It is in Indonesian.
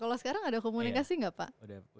kalau sekarang ada komunikasi nggak pak